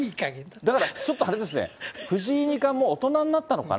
だから、ちょっとあれですね、藤井二冠も大人になったのかな？